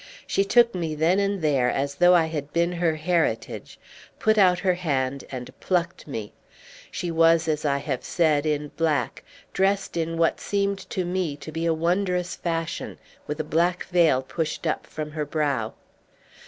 She took me then and there as though I had been her heritage, put out her hand and plucked me. She was, as I have said, in black, dressed in what seemed to me to be a wondrous fashion, with a black veil pushed up from her brow.